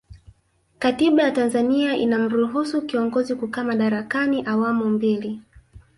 katiba ya tanzania inamruhusu kiongozi kukaa madarakani awamu mbili